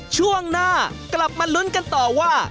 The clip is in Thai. ช่วงหน้ากลับมาลุ้นกันต่อว่า